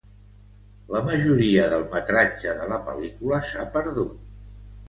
La majoria del metratge de la pel·lícula s'ha perdut.